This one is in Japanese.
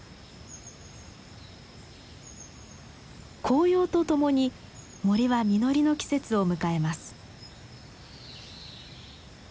紅葉とともに森は実りの季節を迎えます。